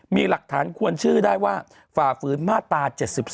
มีหลักฐานควรชื่อได้ว่าฝ่าฝืนมาตรา๗๒